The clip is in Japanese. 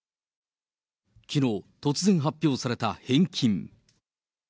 きのう、突然発表された返金。